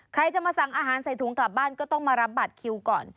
ใครจะมาสั่งอาหารใส่ถุงกลับบ้านก็ต้องมารับบัตรคิวก่อน